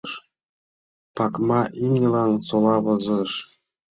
Пакма имньылан сола возеш.